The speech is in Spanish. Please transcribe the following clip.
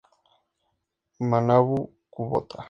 Manabu Kubota